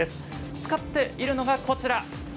使っているのがこちら。